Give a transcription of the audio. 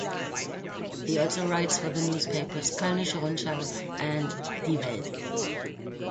He also writes for the newspapers Kölnische Rundschau and Die Welt.